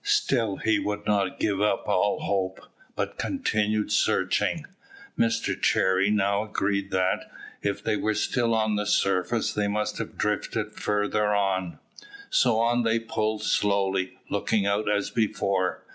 Still he would not give up all hope, but continued searching. Mr Cherry now agreed that, if they still were on the surface, they must have drifted farther on; so on they pulled slowly, looking out as before.